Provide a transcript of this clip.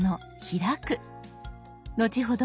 後ほど